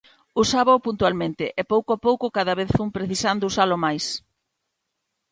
Usábao puntualmente e pouco a pouco cada vez fun precisando usalo máis.